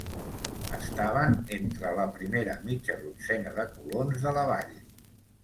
Estaven entre la primera mitja dotzena de colons de la vall.